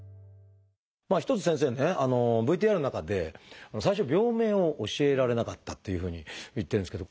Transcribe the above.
一つ先生ねＶＴＲの中で最初病名を教えられなかったっていうふうに言ってるんですけど。